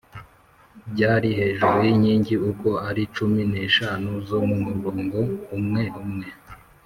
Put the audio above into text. byari hejuru y’inkingi uko ari cumi n’eshanu zo mu murongo umwe umwe